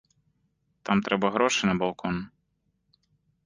Там трэба грошы на балкон.